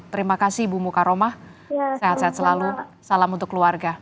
terima kasih ibu mukaromah sehat sehat selalu salam untuk keluarga